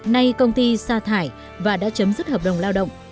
nay công ty xa thải và đã chấm dứt hợp đồng lao động